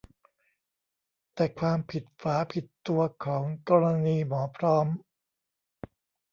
แต่ความผิดฝาผิดตัวของกรณีหมอพร้อม